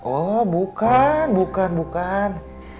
oh bukan bukan bukan